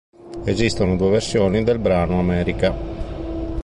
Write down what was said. Esistono due versioni del brano Amerika.